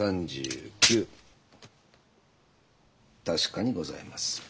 確かにございます。